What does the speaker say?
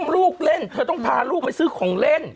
ลูกเล่นเธอต้องพาลูกไปซื้อของเล่น